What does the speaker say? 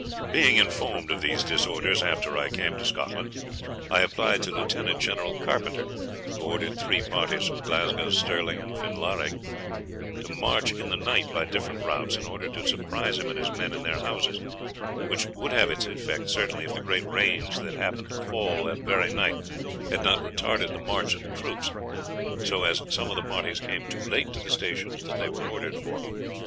"Being informed of these disorders after I came to Scotland, I applied to Lieut. Genll. Carpenter, who ordered three parties from Glasgow, Stirling, and Finlarig, to march in the night by different routes, in order to surprise him and his men in their houses, which would have its effect certainly, if the great rains that happened to fall that verie night had not retarded the march of the troops, so as some of the parties came too late to the stations that they were ordered for.